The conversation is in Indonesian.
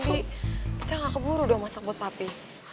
tapi kita gak keburu dong masak buat papi